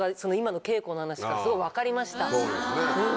そうですね。